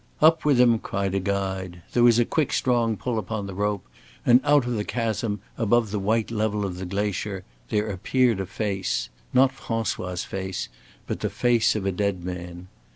"Up with him," cried a guide; there was a quick strong pull upon the rope and out of the chasm, above the white level of the glacier, there appeared a face not François' face but the face of a dead man.